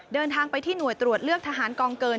เดินทางไปที่หน่วยตรวจเลือกทหารกองเกิน